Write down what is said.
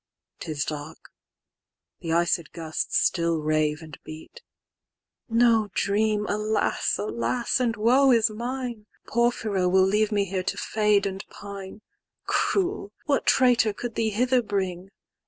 'Tis dark: the iced gusts still rave and beat:"No dream, alas! alas! and woe is mine!"Porphyro will leave me here to fade and pine.—"Cruel! what traitor could thee hither bring?